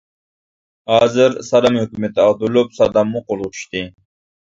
ھازىر سادام ھۆكۈمىتى ئاغدۇرۇلۇپ، ساداممۇ قولغا چۈشتى.